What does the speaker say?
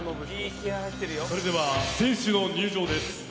それでは、選手の入場です。